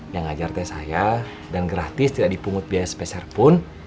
yang ngajar tante saya dan gratis tidak dipungut biaya sepeserpun